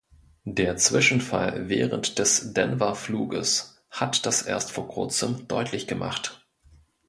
Der Zwischenfall während des Denver-Fluges hat das erst vor Kurzem deutlich gemacht.